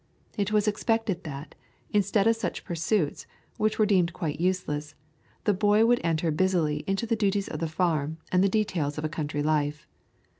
It was expected that, instead of such pursuits, which were deemed quite useless, the boy would enter busily into the duties of the farm and the details of a country life.